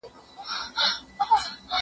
زه به سبا پاکوالي ساتم وم؟